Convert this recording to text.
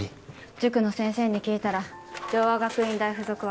塾の先生に聞いたら「城和学院大附属は」